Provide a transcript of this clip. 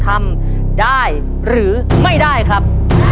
ทำได้หรือไม่ได้ครับ